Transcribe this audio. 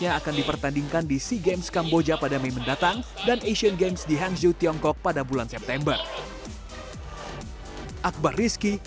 yang akan dipertandingkan di sea games kamboja pada mei mendatang dan asian games di hangzhou tiongkok pada bulan september